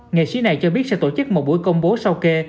nghệ sĩ này cho biết sẽ tổ chức một buổi công bố sau kê